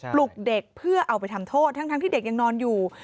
ปลุกเด็กเพื่อเอาไปทำโทษทั้งที่เด็กยังนอนอยู่